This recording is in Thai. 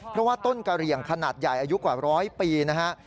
เพราะว่าต้นกะเหลี่ยงขนาดใหญ่อายุกว่าร้อยปีนะฮะ